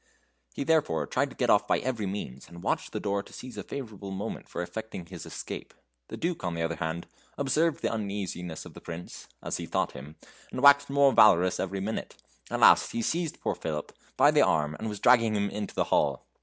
He therefore tried to get off by every means, and watched the door to seize a favorable moment for effecting his escape. The Duke, on the other hand, observed the uneasiness of the Prince (as he thought him), and waxed more valorous every minute. At last he seized poor Philip by the arm, and was dragging him into the hall.